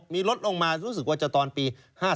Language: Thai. มีลดลงมารู้สึกว่าจะตอนปี๕๓๕๔๕๕๐๐๐